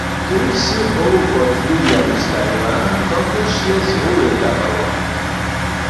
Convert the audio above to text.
Ty sy bow pod wulijawu stajiła, dokelž je z roły kapało.